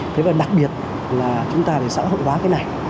thế và đặc biệt là chúng ta phải xã hội hóa cái này